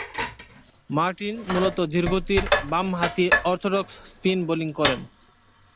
Martin মূলতঃ ধীরগতির বামহাতি অর্থোডক্স স্পিন বোলিং করেন।